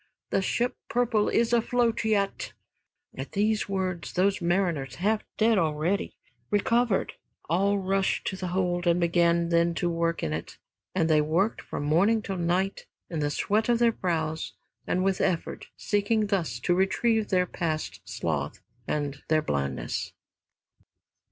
The ship 'Purple' is afloat yet." At these words those mariners, half dead already, recovered, all rushed to the hold and began then to work in it. And they worked from morning till night in the sweat of their brows and with effort, seeking thus to retrieve their past sloth and their blindness.